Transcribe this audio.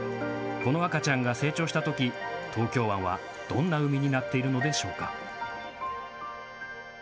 この赤ちゃんが成長したとき、東京湾はどんな海になっているのでしょうか。